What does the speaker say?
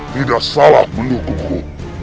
tidak salah mendukungku